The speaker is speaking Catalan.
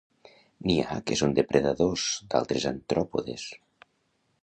N'hi ha que són depredadors d'altres artròpodes.